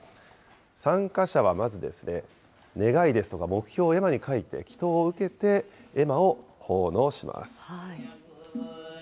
参加者はまず、願いですとか目標を絵馬に書いて祈とうを受けて、絵馬を奉納します。